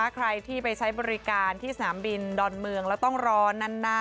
ใครที่ไปใช้บริการที่สนามบินดอนเมืองแล้วต้องรอนาน